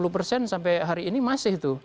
tiga puluh empat puluh persen sampai hari ini masih itu